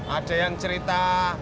ada yang cerita